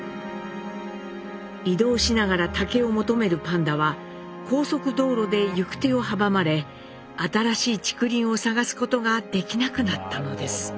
移動しながら竹を求めるパンダは高速道路で行く手を阻まれ新しい竹林を探すことができなくなったのです。